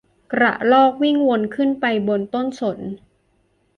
กระรอกวิ่งวนขึ้นไปบนต้นสน